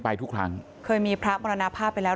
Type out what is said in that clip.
ฝ่ายกรเหตุ๗๖ฝ่ายมรณภาพกันแล้ว